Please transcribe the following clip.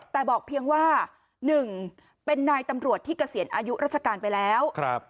แต่บอกเพียงว่า๑เป็นนายตำรวจที่เกษียณอายุราชการไปแล้ว